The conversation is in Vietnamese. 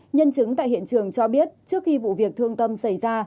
nhân chứng tại hiện trường cho biết trước khi vụ việc thương tâm xảy ra